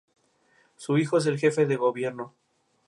Su hijo es el Jefe del Gobierno.